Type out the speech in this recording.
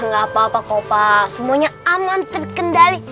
gak apa apa kopa semuanya aman terkendali